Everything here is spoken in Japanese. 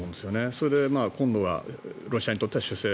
それで今度はロシアにとっては守勢